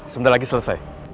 sebentar lagi selesai